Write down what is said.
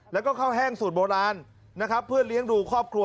แล้วก็ข้าวแห้งสูตรโบราณนะครับเพื่อเลี้ยงดูครอบครัว